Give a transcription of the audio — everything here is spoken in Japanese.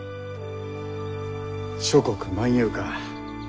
諸国漫遊か。